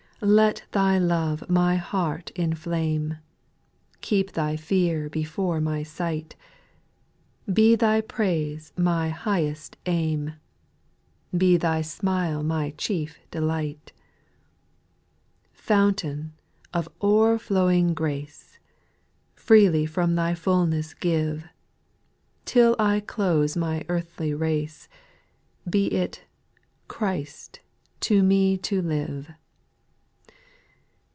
Let Thy love my heart inflame ; Keep Thy fear before my sight ; Be Thy praise my highest aim ; Be Thy smile my chief delight. 3. Fountain of o'er flowing grace, Freely from Thy fullness give ; Till I close my earthly race. Be it " Christ, to me to live."